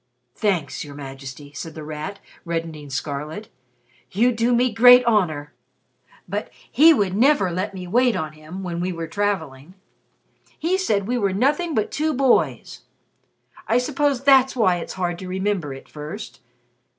"Thanks, Your Majesty," said The Rat, reddening scarlet. "You do me great honor! But he would never let me wait on him when we were traveling. He said we were nothing but two boys. I suppose that's why it's hard to remember, at first.